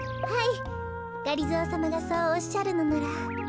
はいがりぞーさまがそうおっしゃるのなら。